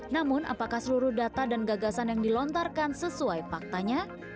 namun apakah seluruh data dan gagasan yang dilontarkan sesuai faktanya